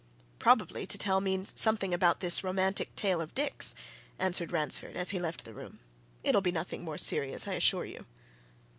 "Probably to tell me something about this romantic tale of Dick's," answered Ransford, as he left the room. "It'll be nothing more serious, I assure you."